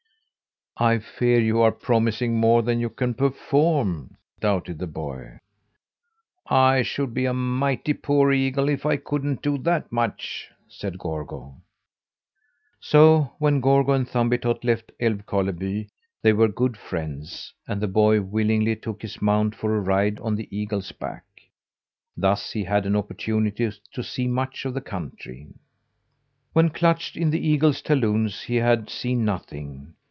"I fear you are promising more than you can perform," doubted the boy. "I should be a mighty poor eagle if I couldn't do that much," said Gorgo. So when Gorgo and Thumbietot left Älvkarleby they were good friends, and the boy willingly took his mount for a ride on the eagle's back. Thus he had an opportunity to see much of the country. When clutched in the eagle's talons he had seen nothing.